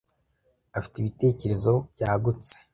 afite ibitekerezo byagutse